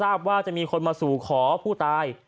อารมณ์ชววูบไง